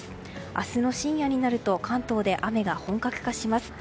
明日の深夜になると関東で雨が本格化します。